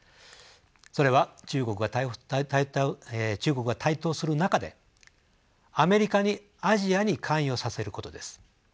それは中国が台頭する中でアメリカにアジアに関与させることです。